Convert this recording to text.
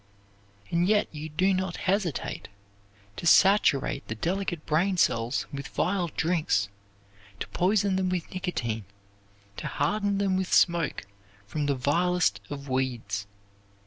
And yet you do not hesitate to saturate the delicate brain cells with vile drinks, to poison them with nicotine, to harden them with smoke from the vilest of weeds.